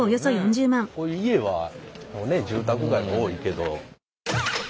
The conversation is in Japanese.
こう家は住宅街が多いけど。